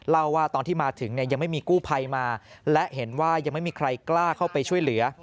เล่าว่าตอนที่มาถึงเนี่ยยังไม่มีกู้ภัยมาและเห็นว่ายังไม่มีใครกล้าเข้าไปช่วยเหลือ